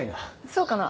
そうかな？